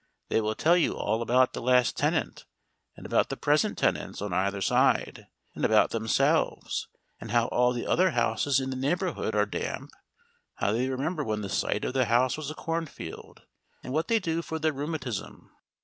They will tell you all about the last tenant, and about the present tenants on either side, and about themselves, and how all the other houses in the neighbourhood are damp, and how they remember when the site of the house was a cornfield, and what they do for their rheumatism.